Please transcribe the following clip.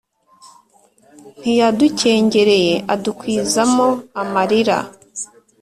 ntiyadukengereye adukwiza mo amarira